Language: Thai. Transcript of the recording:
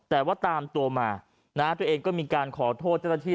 แต่ว่าตามตัวมานะตัวเองก็มีการขอโทษเจ้าหน้าที่